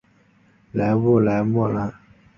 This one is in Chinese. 勒布莱莫兰。